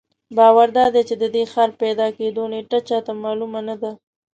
باور دادی چې د دې ښار پیدا کېدو نېټه چا ته معلومه نه ده.